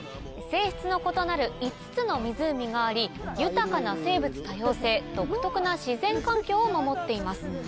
性質の異なる５つの湖があり豊かな生物多様性独特な自然環境を守っています。